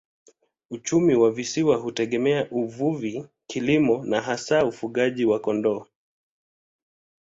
Uchumi wa visiwa unategemea uvuvi, kilimo na hasa ufugaji wa kondoo.